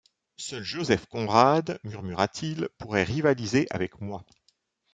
Seul Joseph Conrad, murmura-t-il, pourrait rivaliser avec moi.